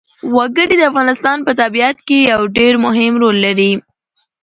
وګړي د افغانستان په طبیعت کې یو ډېر مهم رول لري.